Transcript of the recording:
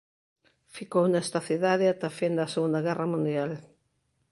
Ficou nesta cidade até a fin da Segunda Guerra Mundial.